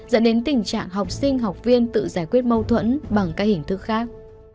dẫn đến tình trạng học sinh học viên tự giải quyết mâu thuẫn bằng các hình thức khác